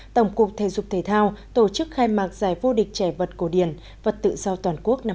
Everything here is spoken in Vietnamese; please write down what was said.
tổng cục thể dục thể thao tổ chức khai mạc giải vô địch trẻ vật cổ điển vật tự do toàn quốc năm hai nghìn hai mươi